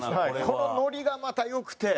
この海苔がまた良くて。